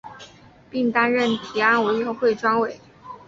并担任提案委员会专委。